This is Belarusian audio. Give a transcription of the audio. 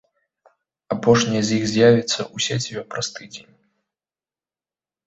Апошняя з іх з'явіцца ў сеціве праз тыдзень.